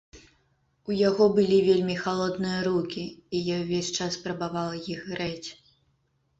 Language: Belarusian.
У яго былі вельмі халодныя рукі і я ўвесь час спрабавала іх грэць.